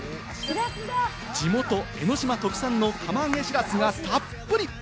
地元・江の島特産の釜揚げしらすがたっぷり！